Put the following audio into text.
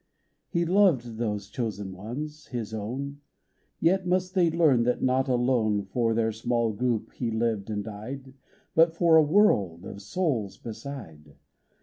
He loved those chosen ones, His own ; Yet must they learn that not alone For their small group He lived and died, But for a world of souls beside.